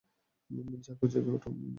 জাগো, জেগে ওঠো!